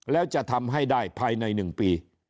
แล้วจะทำให้ได้ภายใน๑ปี